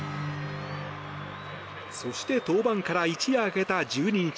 そして、登板から一夜明けた１２日。